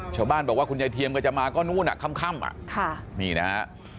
ชาวบ้านบอกว่าคุณยายเทียมก็จะมาก็นู้นค่ำนี่นะฮะ